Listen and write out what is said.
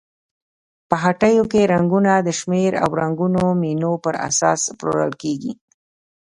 په هټیو کې رنګونه د شمېر او رنګونو مینو پر اساس پلورل کیږي.